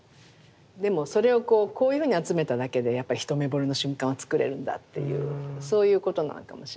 でもそれをこうこういうふうに集めただけでやっぱり一目ぼれの瞬間をつくれるんだっていうそういうことなのかもしれないですね。